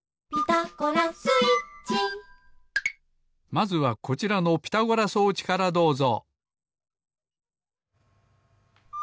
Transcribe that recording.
まずはこちらのピタゴラ装置からどうぞ。